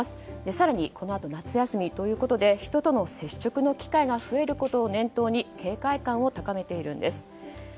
更にこのあと夏休みということで人との接触の機会が増えることを念頭に警戒感を高めているんです。